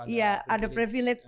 iya ada privilege